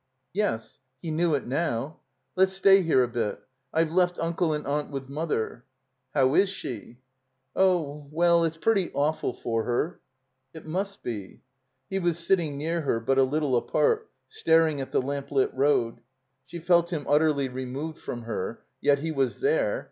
Yes." (He knew it now.) "Let's stay here a bit. I've left Unde and Aunt with Mother." "How is she?" 341 THE COMBINED MAZE ''Oh — ^well, it's pretty awful for her." ''It must be.'' He was sitting near her but a little apart, staring at the lamp lit road. She felt him utterly removed from her. Yet he was there.